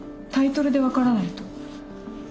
タイトルで分からないと。